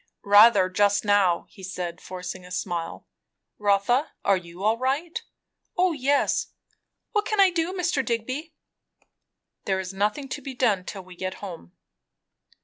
"Rather, just now," he said forcing a smile. "Rotha, are you all right?" "O yes. What can I do, Mr. Digby?" "There is nothing to be done, till we get home."